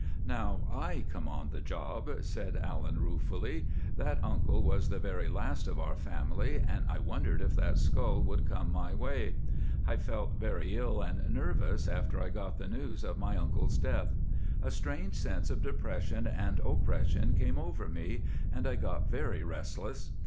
"Now I come on the job," said Allan, ruefully. "That uncle was the very last of our family, and I wondered if that skull would come my way. I felt very ill and nervous after I got the news of my uncle's death. A strange sense of depression and oppression overcame me, and I got very restless.